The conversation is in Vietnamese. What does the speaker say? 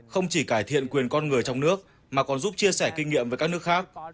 không chỉ cải thiện quyền con người trong nước mà còn giúp chia sẻ kinh nghiệm với các nước khác